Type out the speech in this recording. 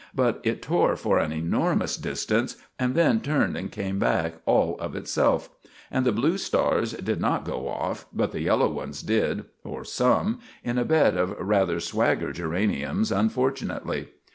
But it tore for an enormous distance, and then turned and came back all of itself. And the blue stars did not go off, but the yellow ones did or some in a bed of rather swagger geraniums, unfortunately.